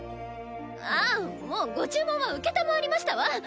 ああもうご注文は承りましたわ。